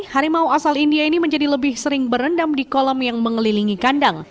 harimau asal india ini menjadi lebih sering berendam di kolam yang mengelilingi kandang